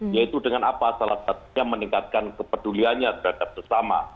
yaitu dengan apa salah satunya meningkatkan kepeduliannya terhadap sesama